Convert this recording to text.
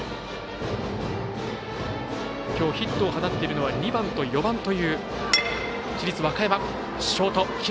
きょうヒットを放っているのは２番と４番という市立和歌山。